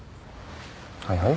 はいはい。